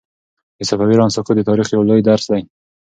د صفوي ایران سقوط د تاریخ یو لوی درس دی.